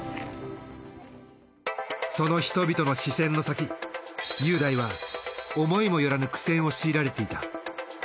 その人々の視線の先雄大は思いもよらぬ苦戦を強いられていた。